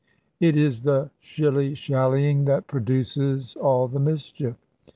It is the shilly shallying that produces all the mischief.